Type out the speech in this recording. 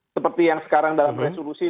seperti yang sekarang dalam resolusi